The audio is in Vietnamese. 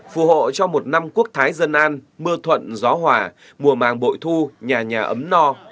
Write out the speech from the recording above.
phù hộ cho một năm quốc thái dân an mưa thuận gió hòa mùa màng bội thu nhà nhà ấm no